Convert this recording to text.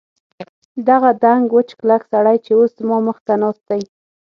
دغه دنګ وچ کلک سړی چې اوس زما مخ ته ناست دی.